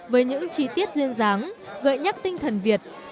với những chi tiết duyên dáng gợi nhắc tinh thần việt